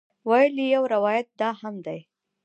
ویل یې یو روایت دا هم دی.